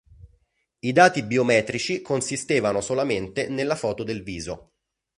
I dati biometrici consistevano solamente nella foto del viso.